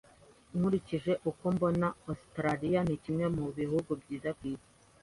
Nkurikije uko mbona, Ositaraliya ni kimwe mu bihugu byiza ku isi.